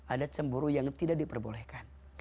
ada cemburu yang tidak diperbolehkan